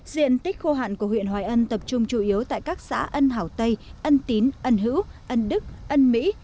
diện tích khô hạn của huyện hoài ân tập trung chủ yếu tại các xã ân hảo tây ân tín ân hữu ân đức ân mỹ